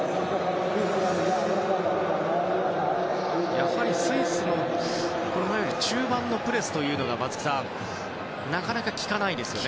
やはりスイスの中盤のプレスというのがなかなか効かないですね。